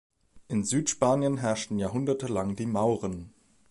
In Südspanien herrschten jahrhundertelang die Mauren.